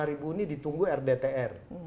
rp lima ini ditunggu rdtr